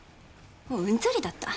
もううんざりだった。